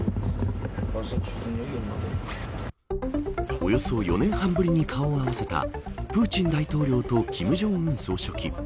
およそ４年半ぶりに顔を合わせたプーチン大統領と金正恩総書記。